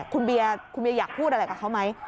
คุณเบียร์อยากพูดอะไรกับเขาไหม